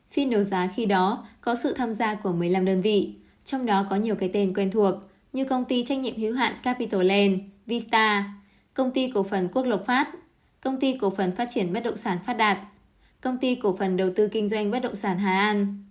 phiên đấu giá khi đó có sự tham gia của một mươi năm đơn vị trong đó có nhiều cái tên quen thuộc như công ty trách nhiệm hiếu hạn capital land vista công ty cổ phần quốc lộc phát công ty cổ phần phát triển bất động sản phát đạt công ty cổ phần đầu tư kinh doanh bất động sản hà an